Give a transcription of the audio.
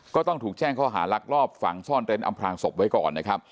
ก็ต้องถูกแจ้งข้อหารักรอบฝังซ่อนเต้นอำพลางศพไว้ก่อนนะครับ